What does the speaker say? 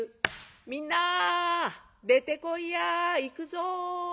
「みんな出てこいや行くぞ」。